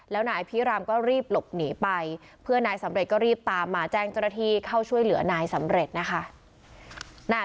แล้วนายอภิรามก็รีบหลบหนีไปเพื่อนายสำเร็จก็รีบตามมาแจ้งเจ้าหน้าที่เข้าช่วยเหลือนายสำเร็จนะคะ